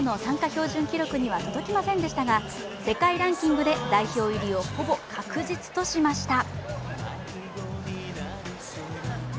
標準記録には届きませんでしたが、世界ランキングで代表入りをほぼ確実としました。